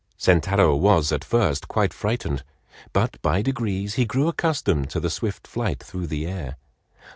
Sentaro was at first quite frightened; but by degrees he grew accustomed to the swift flight through the air.